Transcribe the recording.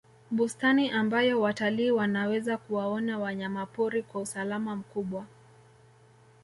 bustani ambayo watalii wanaweza kuwaona wanyamapori kwa usalama mkubwa